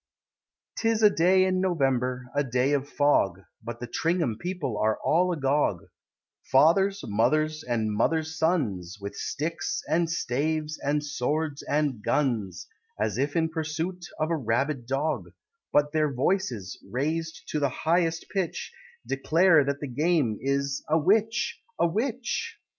'Tis a day in November a day of fog But the Tringham people are all agog; Fathers, Mothers, and Mother's Sons, With sticks, and staves, and swords, and guns, As if in pursuit of a rabid dog; But their voices raised to the highest pitch Declare that the game is "a Witch! a Witch!"